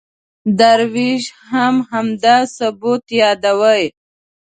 درویش هم همدا ثبات یادوي.